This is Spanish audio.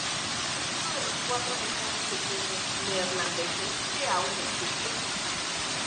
Es uno de los cuatro mercados de queso neerlandeses que aún existen.